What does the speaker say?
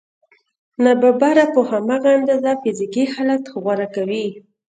ناببره په هماغه اندازه فزيکي حالت غوره کوي.